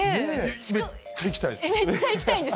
めっちゃ行きたいです。